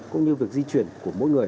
cũng như việc di chuyển của mỗi người